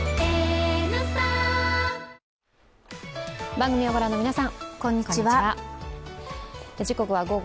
番組をご覧の皆さんこんにちは。